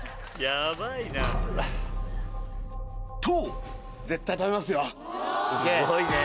と！